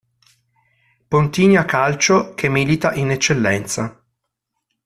Pontinia Calcio" che milita in Eccellenza.